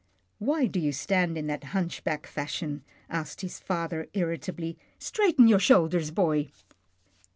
" Why do you stand in that hunchback fashion ?" asked his father irritably. " Straighten your shoul ders, boy."